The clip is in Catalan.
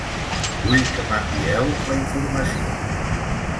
Vull que m'envieu la informació.